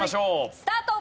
スタート！